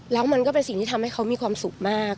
แล้วมันก็เป็นสิ่งที่ทำให้เขามีความสุขมาก